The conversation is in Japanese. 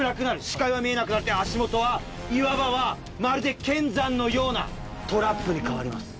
視界が見えなくなって足元は岩場はまるで剣山のようなトラップに変わります。